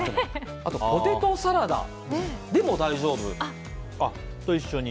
あとポテトサラダでも大丈夫だと。